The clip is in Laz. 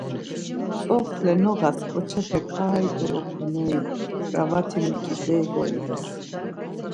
Tzoxle noğas ǩoçepe ǩai dolokuneri ǩarvati meǩideri goit̆es.